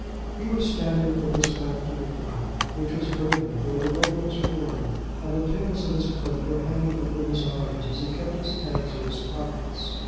He was standing with his back to the fire, which was burning though the weather was warm, and the tails of his coat were hanging over his arms as he kept his hands in his pockets.